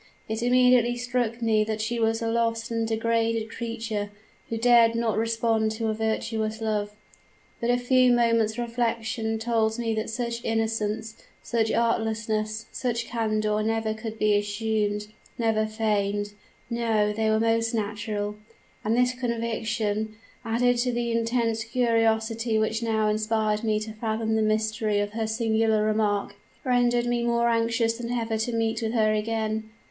It immediately struck me that she was a lost and degraded creature, who dared not respond to a virtuous love. But a few moments' reflection told me that such innocence, such artlessness, such candor never could be assumed never feigned; no, they were most natural! And this conviction, added to the intense curiosity which now inspired me to fathom the mystery of her singular remark, rendered me more anxious than ever to meet with her again.